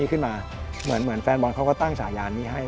ขึ้นมาเหมือนแฟนบอลเขาก็ตั้งฉายานี้ให้